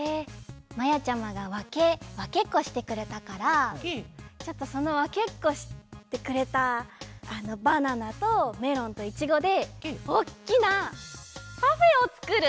まやちゃまがわけっこしてくれたからちょっとそのわけっこしてくれたバナナとメロンとイチゴでおっきなパフェをつくる！